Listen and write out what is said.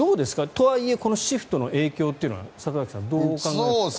とはいえこのシフトの影響というのは里崎さん、どうお考えですか？